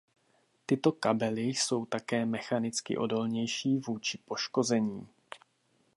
Tyto kabely jsou také mechanicky odolnější vůči poškození.